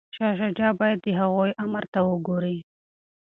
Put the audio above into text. شاه شجاع باید د هغوی امر ته ګوري.